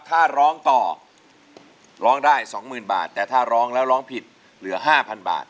ถ้าร้องต่อร้องได้สองหมื่นบาทแต่ถ้าร้องแล้วร้องผิดเหลือห้าพันบาท